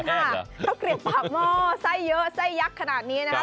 ข้าวเกลียบปากหม้อไส้เยอะไส้ยักษ์ขนาดนี้นะครับ